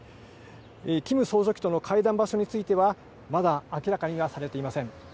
キム総書記との会談場所については、まだ明らかにはされていません。